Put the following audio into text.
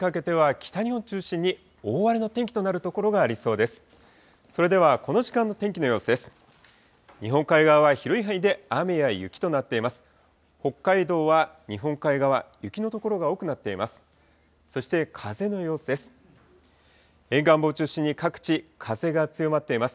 北海道は日本海側、雪の所が多くなっています。